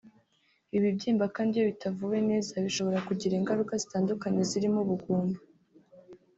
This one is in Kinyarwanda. Ibi bibyimba kandi iyo bitavuwe neza bishobora kugira ingaruka zitandukanye zirimo Ubugumba